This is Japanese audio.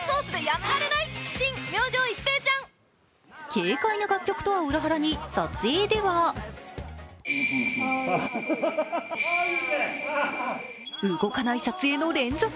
軽快な楽曲とは裏腹に撮影では動かない撮影の連続。